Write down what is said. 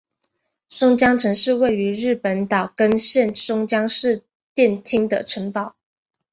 松江城是位于日本岛根县松江市殿町的城堡。